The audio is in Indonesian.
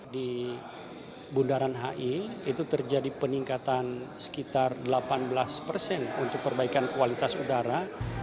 di bundaran hi itu terjadi peningkatan sekitar delapan belas persen untuk perbaikan kualitas udara